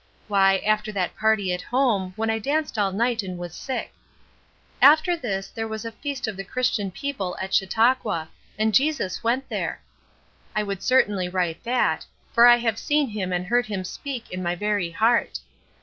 Why, after that party at home, when I danced all night and was sick. 'After this there was a feast of the Christian people at Chautauqua, and Jesus went there.' I could certainly write that, for I have seen him and heard him speak in my very heart."